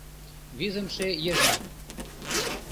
Визымше йыжыҥ